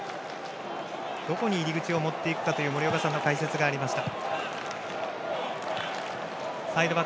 どこに入り口を持っていくかという森岡さんの解説がありました。